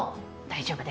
大丈夫。